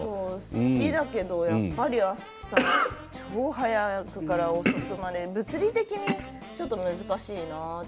好きだけど、やっぱり超早くから遅くまで物理的に難しいなって。